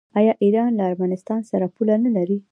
آیا ایران له ارمنستان سره پوله نلري؟